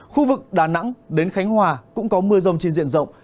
khu vực đà nẵng đến khánh hòa cũng có mưa rông trên diện rộng